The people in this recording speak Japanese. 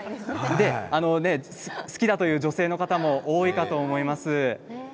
好きだという女性の方も多いと思います。